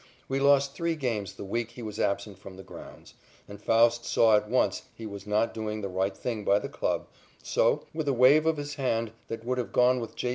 We lost three games the week he was absent from the grounds, and Faust saw at once he was not doing the right thing by the club, so, with a wave of his hand that would have gone with J.